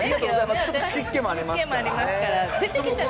ちょっと湿気もありますからね。